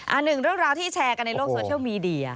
หนึ่งเรื่องราวที่แชร์กันในโลกโซเชียลมีเดีย